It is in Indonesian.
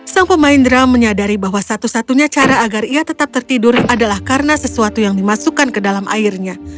sang pemain drum menyadari bahwa satu satunya cara agar ia tetap tertidur adalah karena sesuatu yang dimasukkan ke dalam airnya